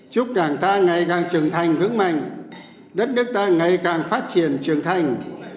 chúc đảng ta ngày càng trưởng thành vững mạnh đất nước ta ngày càng phát triển trưởng thành